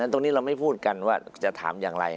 ตรงนี้เราไม่พูดกันว่าจะถามอย่างไร